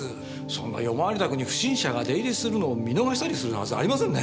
そんな夜回り宅に不審者が出入りするのを見逃したりするはずありませんね。